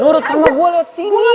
nurut sama gue lewat sini